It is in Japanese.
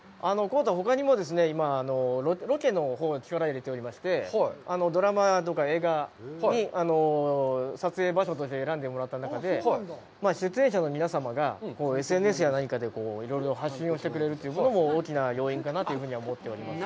幸田、ほかにも今、ロケのほうに力を入れておりまして、ドラマとか映画に撮影場所として選んでもらった中で、出演者の皆様が、ＳＮＳや何かでいろいろ発信をしてくれるというのも大きな要因かなというふうにも思っております。